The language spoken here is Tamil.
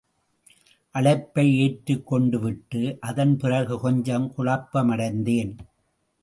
அழைப்பை ஏற்றுக் கொண்டுவிட்டு அதன் பிறகு கொஞ்சம் குழப்பமடைந்தேன்.